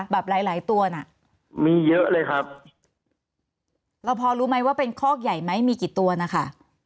หลายหลายตัวน่ะมีเยอะเลยครับเราพอรู้ไหมว่าเป็นคอกใหญ่ไหมมีกี่ตัวนะคะ